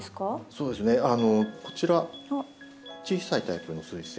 そうですねこちら小さいタイプのスイセン。